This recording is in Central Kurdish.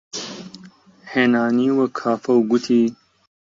هێنانیوە کافە و گوتی: